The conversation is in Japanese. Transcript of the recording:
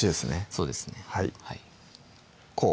そうですねこう？